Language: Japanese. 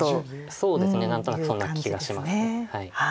そうですね何となくそんな気がします。